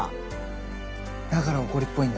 だから怒りっぽいんだ。